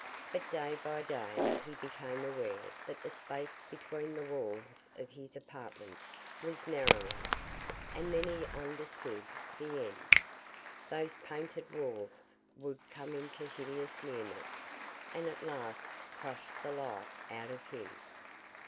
But day by day he became aware that the space between the walls of his apartment was narrowing, and then he understood the end. Those painted walls would come into hideous nearness, and at last crush the life out of him.